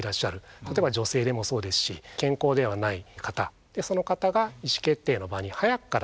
例えば女性でもそうですし健康ではない方その方が意思決定の場に早くから携わるようになったと。